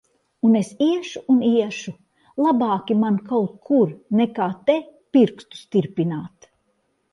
Un es iešu un iešu! Labāki man kaut kur, nekā te, pirkstus tirpināt.